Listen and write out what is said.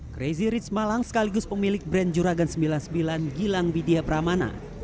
crazy rich malang sekaligus pemilik brand juragan sembilan puluh sembilan gilang widya pramana